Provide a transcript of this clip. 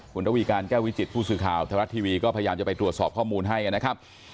คุณระวีการแก้ววิจิตผู้สื่อข่าวธรรมรัฐทีวีก็พยายามจะไปตรวจสอบข้อมูลให้นะครับ